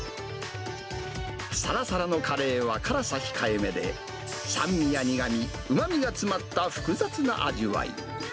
さらさらのカレーは辛さ控えめで、酸味や苦み、うまみが詰まった複雑な味わい。